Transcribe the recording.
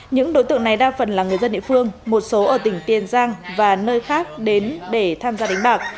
những đối tượng này đa phần là người dân địa phương một số ở tỉnh tiền giang và nơi khác đến để tham gia đánh bạc